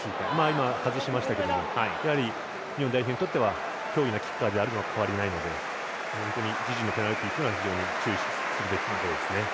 今は外しましたけどやはり日本代表にとっては脅威なキッカーであることは変わりないので自陣のペナルティは注意するべきですね。